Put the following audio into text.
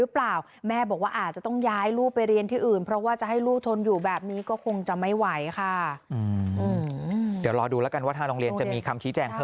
เพิ่มเติมยังไงด้วยนะคะ